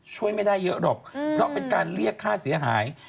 ช่วยไม่ได้เยอะหรอกเพราะเป็นการเรียกค่าเสียหาย